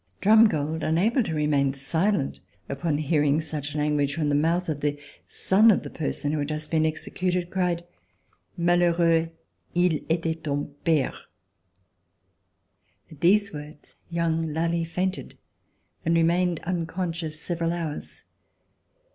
Drumgold, unable to remain silent upon hearing such language from the mouth of the son of the person who had just been executed, cried: "Malheureux, il etait ton pere!" At these words young Lally fainted and remained unconscious several hours.